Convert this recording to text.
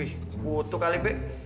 wih kutuk kali be